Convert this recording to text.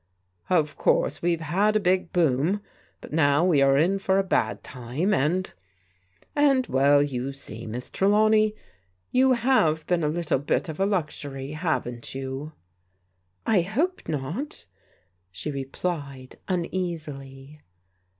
Of course we've had a big boom, but now we are in for a bad time, and — and well, you see. Miss Trelawney, you have been a little bit of a luxury, haven't you ?"" I hope not," she replied, uneasily.